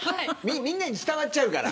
みんなに伝わっちゃうから。